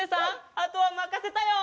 あとはまかせたよ！